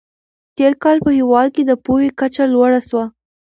تېر کال په هېواد کې د پوهې کچه لوړه سوه.